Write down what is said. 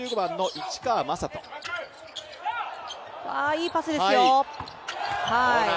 いいパスですよ。